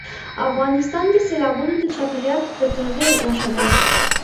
افغانستان کې سیلابونه د چاپېریال د تغیر نښه ده.